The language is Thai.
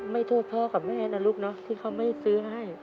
โทษพ่อกับแม่นะลูกเนาะที่เขาไม่ซื้อให้